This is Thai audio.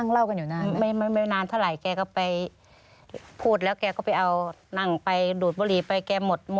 เล่ากันอยู่นานไหม